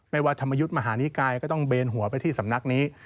ว่าธรรมยุทธ์มหานิกายก็ต้องเบนหัวไปที่สำนักนี้